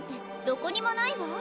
どこにもないわ。